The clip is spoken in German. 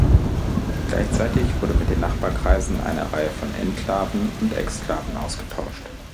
Gleichzeitig wurde mit den Nachbarkreisen eine Reihe von Enklaven und Exklaven ausgetauscht.